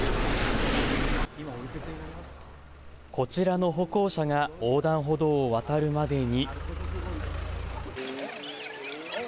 こちらの歩行者が横断歩道を渡るまでに。